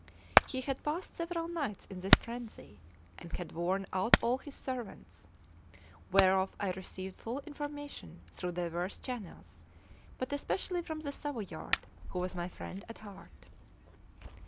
He had passed several nights in this frenzy, and had worn out all his servants, whereof I received full information through divers channels, but especially from the Savoyard, who was my friend at heart.